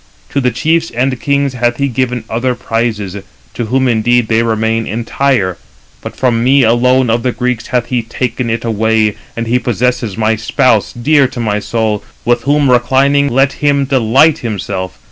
To the chiefs and kings hath he given other prizes; to whom indeed they remain entire: but from me alone of the Greeks hath he taken it away, and he possesses my spouse, dear to my soul, with whom reclining, let him delight himself.